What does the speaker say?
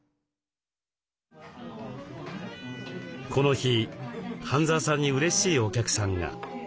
この日半澤さんにうれしいお客さんが。